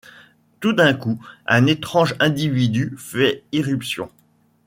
Tout d'un coup, un étrange individu fait irruption.